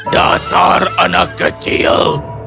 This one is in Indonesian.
dasar anak kecil